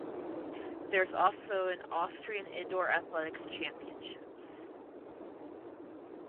There is also an Austrian Indoor Athletics Championships.